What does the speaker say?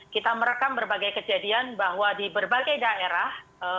kita merekam berbagai kejadian bahwa di berbagai daerah